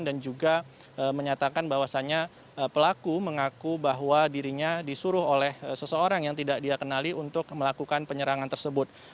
dan juga menyatakan bahwasannya pelaku mengaku bahwa dirinya disuruh oleh seseorang yang tidak dia kenali untuk melakukan penyerangan tersebut